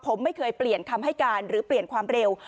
ผมไม่เคยเปลี่ยนคำให้การหรือเปลี่ยนความเร็ว